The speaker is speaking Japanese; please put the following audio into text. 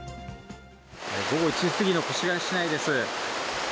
午後１時過ぎの越谷市内です。